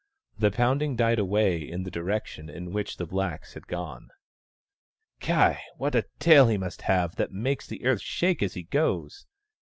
The pounding died away in the direction in which the blacks had gone. " Ky ! what a tail he must have, that makes the earth shake as he goes